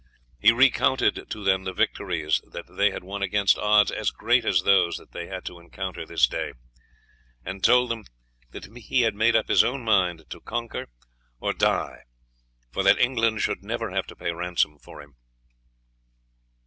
He recounted to them the victories that had been won against odds as great as those they had to encounter, and told them that he had made up his own mind to conquer or die, for that England should never have to pay ransom for him.